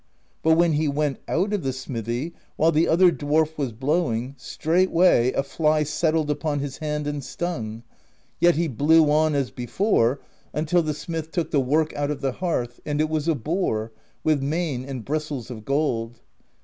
But when he went out of the smithy, while the other dwarf was blowing, straight way a fly settled upon his hand and stung: yet he blew on 146 PROSE EDDA as before, until the smith took the work out of the hearth; and it was a boar, with mane and bristles of gold.